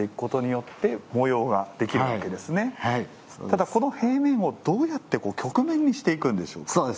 ただこの平面をどうやって曲面にしていくんでしょうか？